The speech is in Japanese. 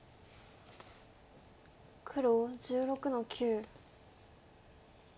黒１６の九。